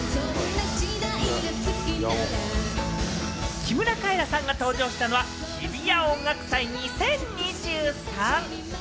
木村カエラさんが登場したのは日比谷音楽祭２０２３。